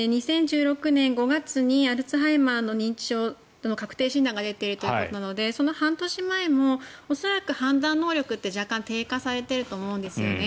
２０１６年５月にアルツハイマーの認知症との確定診断が出ているということなのでその半年前も恐らく判断能力って若干低下されていると思うんですよね。